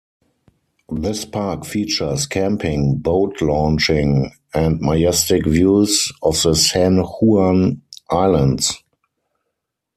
This park features camping, boat launching, and majestic views of the San Juan Islands.